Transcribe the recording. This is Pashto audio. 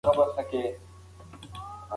مخکې ډېره احساساتي وم.